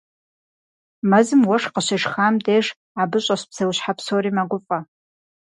Мэзым уэшх къыщешхам деж, абы щӏэс псэущхьэ псори мэгуфӏэ.